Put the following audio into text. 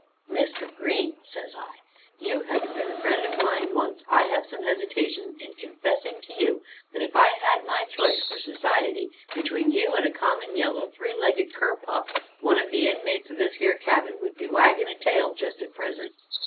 "Mr. Green," says I, "you having been a friend of mine once, I have some hesitations in confessing to you that if I had my choice for society between you and a common yellow, three legged cur pup, one of the inmates of this here cabin would be wagging a tail just at present."